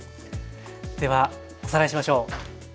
ではおさらいしましょう。